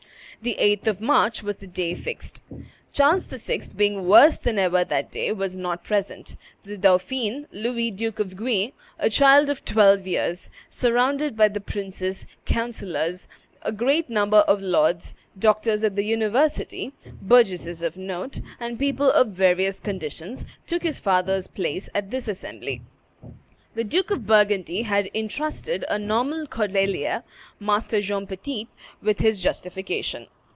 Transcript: The 8th of March was the day fixed. Charles VI., being worse than ever that day, was not present; the dauphin, Louis, Duke of Guienne, a child of twelve years, surrounded by the princes, councillors, a great number of lords, doctors of the university, burgesses of note, and people of various conditions, took his father's place at this assembly. The Duke of Burgundy had intrusted a Norman Cordelier, Master John Petit, with his justification.